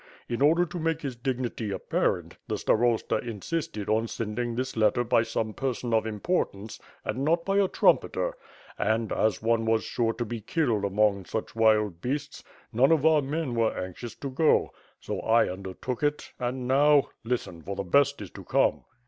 In order to make his dignity ap parent, the starosta insisted on sending this letter by some person of importance and not by a trumpeter, and, as one was sure to be killed among such wild beasts, none of our men were anxious to go; so 1 undertook it and now — ^listen, for the best is to come.''